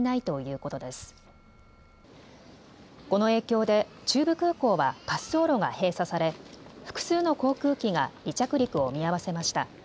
この影響で中部空港は滑走路が閉鎖され複数の航空機が離着陸を見合わせました。